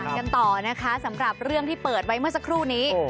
กันต่อนะคะสำหรับเรื่องที่เปิดไว้เมื่อสักครู่นี้